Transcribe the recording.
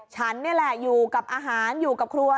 ฉันนี่แหละอยู่กับอาหารอยู่กับครัว